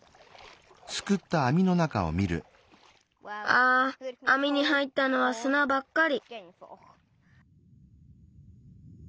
ああみに入ったのはすなばっかり。